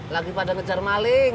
lagi pada ngejar maling